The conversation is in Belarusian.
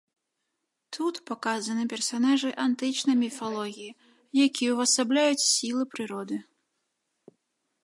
Тут паказаны персанажы антычнай міфалогіі, якія ўвасабляюць сілы прыроды.